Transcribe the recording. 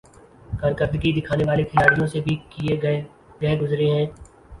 ۔کارکردگی دکھانے والے کھلاڑیوں سے بھی گئے گزرے ہیں ۔